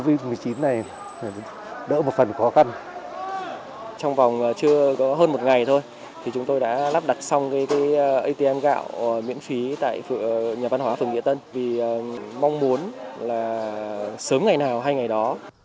vì mong muốn là sớm ngày nào hay ngày đó